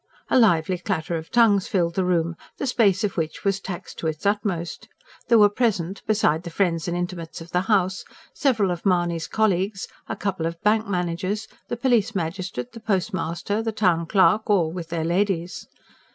A lively clatter of tongues filled the room, the space of which was taxed to its utmost: there were present, besides the friends and intimates of the house, several of Mahony's colleagues, a couple of Bank Managers, the Police Magistrate, the Postmaster, the Town Clerk, all with their ladies.